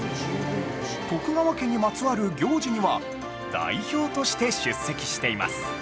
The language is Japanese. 徳川家にまつわる行事には代表として出席しています